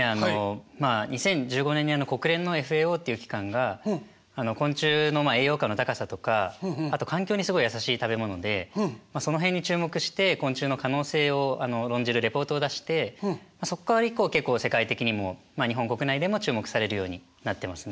まあ２０１５年に国連のＦＡＯという機関が昆虫の栄養価の高さとかあと環境にすごい優しい食べ物でその辺に注目して昆虫の可能性を論じるレポートを出してそこから以降結構世界的にも日本国内でも注目されるようになってますね。